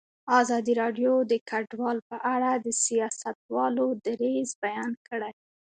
ازادي راډیو د کډوال په اړه د سیاستوالو دریځ بیان کړی.